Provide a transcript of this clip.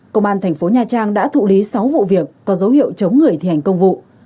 công an thành phố nha trang đã thụ lý sáu vụ việc có dấu hiệu chống người thi hành công vụ